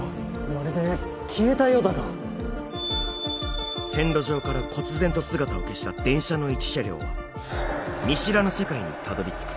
まるで消えたようだと線路上からこつ然と姿を消した電車の一車両は見知らぬ世界にたどりつく